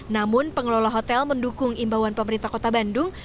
namun pengelola hotel mendukung imbauan pemerintah kota bandung